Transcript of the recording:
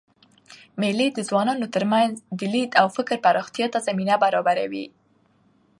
مېلې د ځوانانو ترمنځ د لید او فکر پراختیا ته زمینه برابروي.